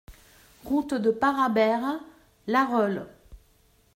Route de Parabère, Larreule